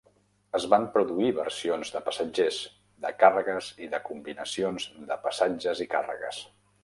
Es van produir versions de passatgers, de càrregues i de combinacions de passatges i càrregues.